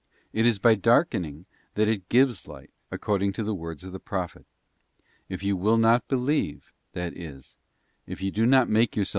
It is by darkening that it gives light, according to the words of the prophet, 'If you will not believe,' that is, 'if you do not make yourselves i * Rom.